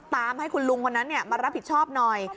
ตามให้คุณลุงคนนั้นมารับผิดชอบหน่อย